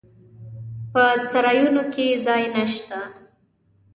په سرایونو کې ځای نسته.